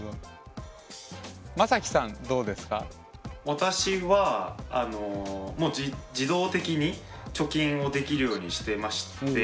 私はもう自動的に貯金をできるようにしてまして。